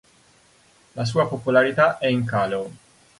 La sua popolarità è in calo.